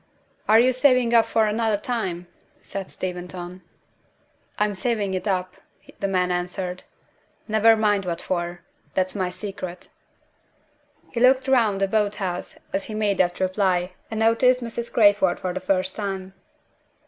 "Are you saving it up for another time?" said Steventon. "I'm saving it up," the man answered. "Never mind what for. That's my secret." He looked round the boat house as he made that reply, and noticed Mrs. Crayford for the first time.